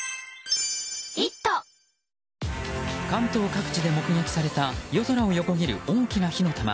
関東各地で目撃された夜空を横切る大きな火の玉。